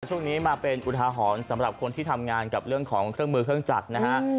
ช่วงนี้มาเป็นอุทาหรณ์สำหรับคนที่ทำงานกับเรื่องของเครื่องมือเครื่องจักรนะฮะ